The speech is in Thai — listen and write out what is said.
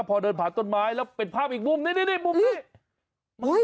พอเดินผ่านต้นไม้แล้วเป็นภาพอีกมุมนี่นี่มุมนี้